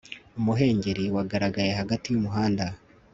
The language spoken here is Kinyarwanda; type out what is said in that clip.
umuhengeri wagaragaye hagati yumuhanda